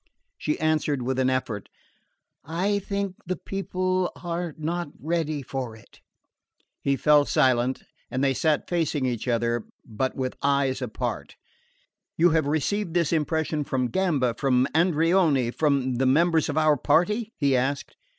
She answered with an effort: "I think the people are not ready for it." He fell silent, and they sat facing each other, but with eyes apart. "You have received this impression from Gamba, from Andreoni from the members of our party?" he asked.